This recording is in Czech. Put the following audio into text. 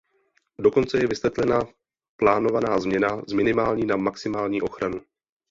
Dokonce je vysvětlena plánovaná změna z minimální na maximální ochranu.